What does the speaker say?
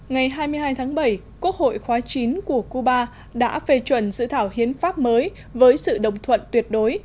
ngày hai mươi hai tháng bảy quốc hội khóa chín của cuba đã phê chuẩn dự thảo hiến pháp mới với sự đồng thuận tuyệt đối